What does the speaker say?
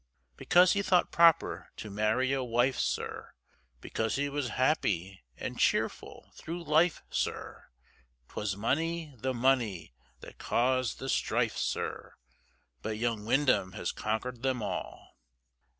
Because he thought proper to marry a wife, sir, Because he was happy and cheerful through life, sir, 'Twas money, the money, that caused the strife, sir, But young Windham has conquer'd them all.